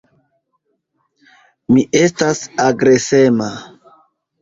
Mi estas agresema.